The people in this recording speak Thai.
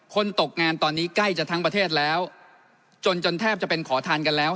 ตกงานตอนนี้ใกล้จะทั้งประเทศแล้วจนจนแทบจะเป็นขอทานกันแล้ว